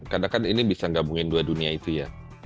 karena kan ini bisa gabungin dua dunia itu ya